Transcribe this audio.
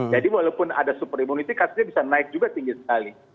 jadi walaupun ada super immunity kasusnya bisa naik juga tinggi sekali